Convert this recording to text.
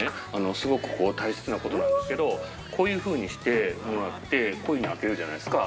すごく大切なことなんですけどこういうふうにしてもらってこういうふうに開けるじゃないですか。